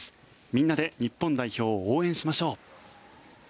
みんなで日本代表を応援しましょう。